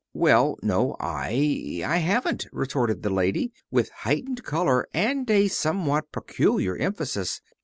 "Well, no, I I haven't," retorted the lady, with heightened color and a somewhat peculiar emphasis.